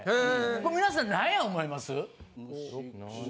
これ皆さん何や思います？